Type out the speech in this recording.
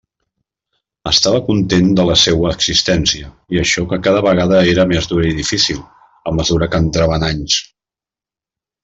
Estava content de la seua existència, i això que cada vegada era més dura i difícil, a mesura que entrava en anys.